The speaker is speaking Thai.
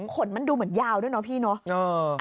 ขนมันดูเหมือนยาวด้วยเนาะพี่เนาะ